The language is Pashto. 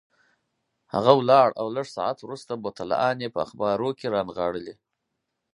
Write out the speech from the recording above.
هغه ولاړ او لږ ساعت وروسته بوتلان یې په اخبارو کې رانغاړلي.